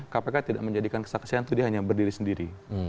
kpk tidak menjadikan kesaksian itu dia hanya berdiri sendiri